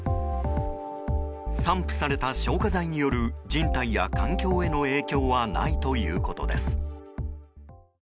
散布された消火剤による人体や環境への影響はないということです。